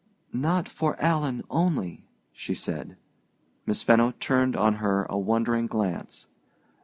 "Not for Alan only," she said. Miss Fenno turned on her a wondering glance.